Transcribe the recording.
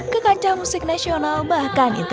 ke kancah musik nasional bahkan ke kota